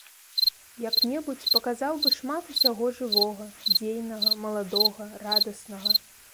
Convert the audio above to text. Як-небудзь паказаў бы шмат усяго жывога, дзейнага, маладога, радаснага.